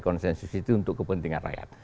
konsensus itu untuk kepentingan rakyat